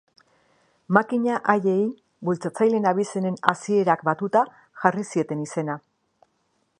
Makina haiei bultzatzaileen abizenen hasierak batuta jarri zieten izena.